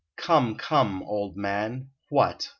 Come, come, old man; what!